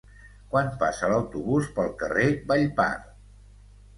Quan passa l'autobús pel carrer Vallpar?